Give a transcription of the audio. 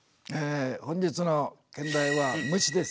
本日の兼題は「虫」です。